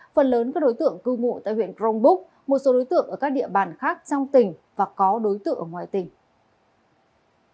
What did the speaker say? phần lớn các đối tượng cư mụ tại huyện cronbúc một số đối tượng ở các địa bàn khác trong tỉnh và có đối tượng ở ngoài tỉnh